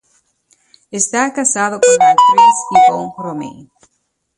Está casado con la actriz Yvonne Romain.